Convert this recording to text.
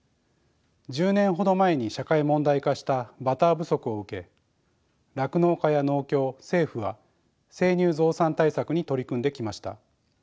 １０年ほど前に社会問題化したバター不足を受け酪農家や農協政府は生乳増産対策に取り組んできました。